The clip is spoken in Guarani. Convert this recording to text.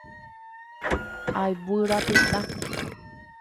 Ayvu rapyta.